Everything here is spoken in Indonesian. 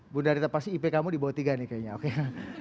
bunda rita pasti ip kamu di bawah tiga nih kayaknya